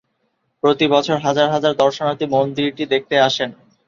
প্রতিবছর হাজার হাজার দর্শনার্থী মন্দিরটি দেখতে আসেন।